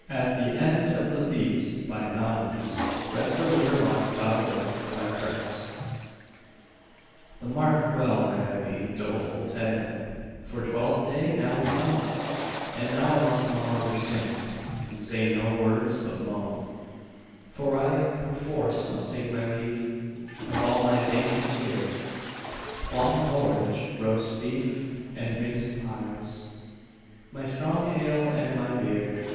gh, dry the tear, Crack the drums When Christmas comes! AT THE END OF THE FEAST. Mark well my heavy, doleful tale, For Twelfth day now is come, And now I must no longer sing, And say no words but mum; For I perforce must take my leave Of all my dainty cheer, Plum porridge, roast beef, and minced pies, My strong ale and my beer.